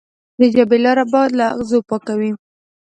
د ژبې لاره باید له اغزو پاکه وي.